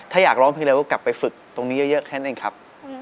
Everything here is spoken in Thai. ถ้าอยากร้องเพลงเร็วก็กลับไปฝึกตรงนี้เยอะแค่นั้นเองครับ